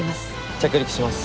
着陸します。